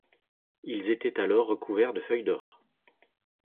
Ils étaient alors recouverts de feuilles d'or.